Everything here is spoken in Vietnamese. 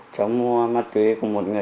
cháu mua ma túy của một người